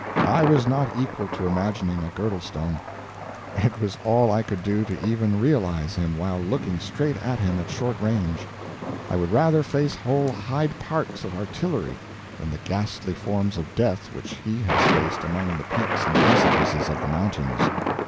I was not equal to imagining a Girdlestone; it was all I could do to even realize him, while looking straight at him at short range. I would rather face whole Hyde Parks of artillery than the ghastly forms of death which he has faced among the peaks and precipices of the mountains.